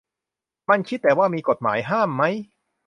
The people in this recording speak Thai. มันคิดแต่ว่ามี 'กฎหมายห้าม' มั้ย